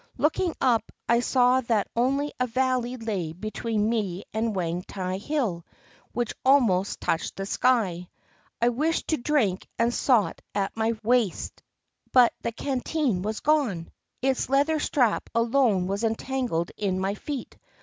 Looking up, I saw that only a valley lay between me and Wang tai Hill, which almost touched the sky. I wished to drink and sought at my waist, but the canteen was gone; its leather strap alone was entangled in my feet.